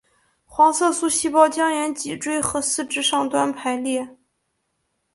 黄色素细胞将沿脊椎和四肢上端排列。